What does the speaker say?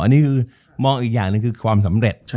อันนี้คือมองอีกอย่างหนึ่งคือความสำเร็จ